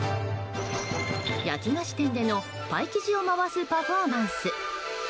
焼き菓子店でのパイ生地を回すパフォーマンス。